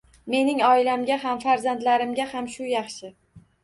Mening oilamga ham, farzandlarimga ham shu yaxshi